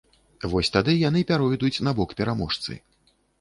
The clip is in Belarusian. Вось тады яны пяройдуць на бок пераможцы.